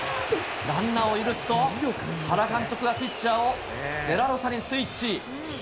ランナーを許すと、原監督がピッチャーをデラロサにスイッチ。